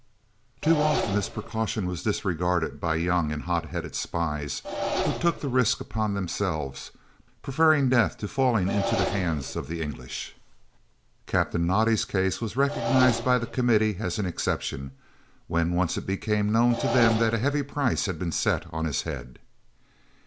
Too often was this precaution disregarded by young and hot headed spies, who took the risk upon themselves, preferring death to falling into the hands of the English. Captain Naudé's case was recognised by the Committee as an exception when once it became known to them that a heavy price had been set on his head.